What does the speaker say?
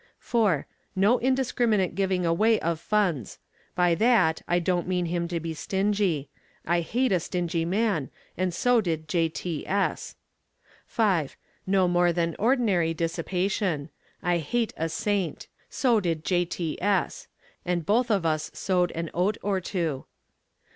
4. No indiscriminate giving away of funds. By that I don't mean him to be stingy. I hate a stingy man and so did J.T.S. 5. No more than ordinary dissipation. I hate a saint. So did J.T.S. And both of us sowed an oat or two.